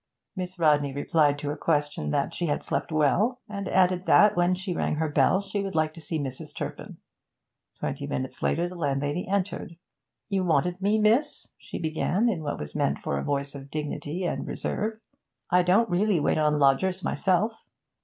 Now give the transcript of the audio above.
Miss Rodney replied to a question that she had slept well, and added that, when she rang her bell, she would like to see Mrs. Turpin. Twenty minutes later the landlady entered. 'You wanted me, miss?' she began, in what was meant for a voice of dignity and reserve. 'I don't really wait on lodgers myself.'